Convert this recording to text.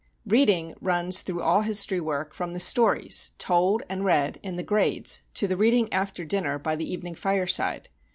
Reading runs through all history work from the stories told and read in the grades to the reading after dinner by the evening fireside.